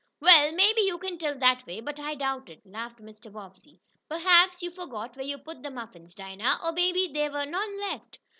"Well, maybe you can tell that way, but I doubt it," laughed Mr. Bobbsey. "Perhaps you forgot where you put the muffins, Dinah, or maybe there were none left."